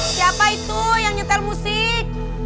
siapa itu yang nyetel musik